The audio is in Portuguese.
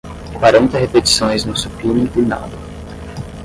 Quarenta repetições no supino inclinado